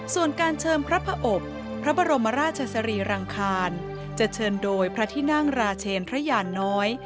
ส่วนการเชิญพระอบพระบรมราชสรีรังคารจะเชิญโดยพระที่นั่งราชเชนพระยานน้อย